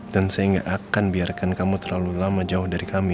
dan saya gak akan biarkan kamu terlalu lama jauh dari kami